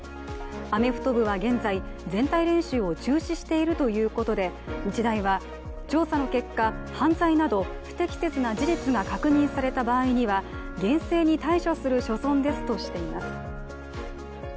アメフト部は現在全体練習を中止しているということで、日大は調査の結果、犯罪など不適切な事実が確認された場合には厳正に対処する所存ですとしています。